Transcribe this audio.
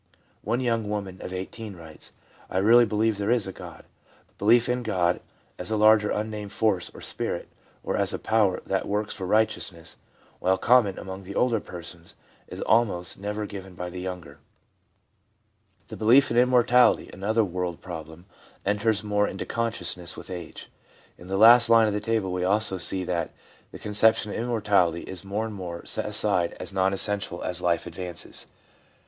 One young woman of 18 writes :' I really believe there is a God/ Belief in God as a larger un named Force or Spirit, or as a Power that works for righteousness, while common among the older persons, is almost never given by the younger. ADULT LIFE— BELIEFS 321 The belief in Immortality, another world problem, enters more into consciousness with age. In the last line of the table we see also that the conception of Immortality is more and more set aside as non essential as life advances.